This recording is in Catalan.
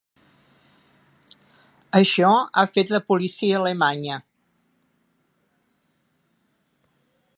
Això ha fet la policia alemanya.